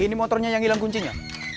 ini motornya yang hilang kuncinya